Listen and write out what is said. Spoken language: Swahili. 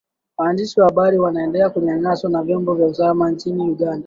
Waandishi wa habari wanaendelea kunyanaswa na vyombo vya usalama nchini Uganda